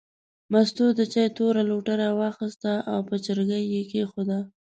مستو د چای توره لوټه راواخیسته او په چرګۍ یې کېښوده.